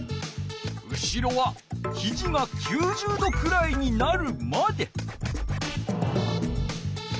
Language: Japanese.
後ろはひじが９０度くらいになるまで。